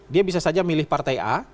dia bisa saja milih partai a